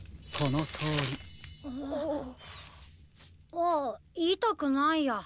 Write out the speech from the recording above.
あっいたくないや。